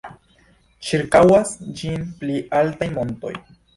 Ĉirkaŭas ĝin pli altaj montoj.